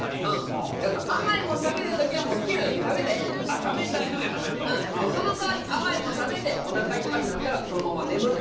はあ甘いもん食べる時はもう好きなだけ食べたらええねんあっ食べたい時は食べるとうんその代わり甘いもん食べておなかいっぱいになったらそのまま眠る